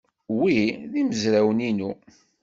Wi d imezrawen-inu.